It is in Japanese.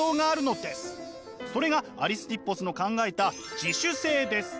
それがアリスティッポスの考えた「自主性」です。